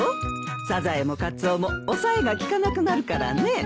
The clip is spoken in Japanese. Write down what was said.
サザエもカツオも抑えが利かなくなるからね。